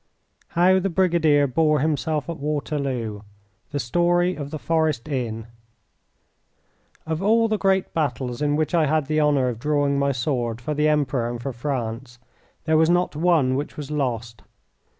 How the Brigadier Bore Himself at Waterloo I. THE STORY OF THE FOREST INN Of all the great battles in which I had the honour of drawing my sword for the Emperor and for France there was not one which was lost.